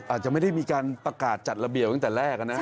อาจจะไม่ได้มีการประกาศจัดระเบียบตั้งแต่แรกนะ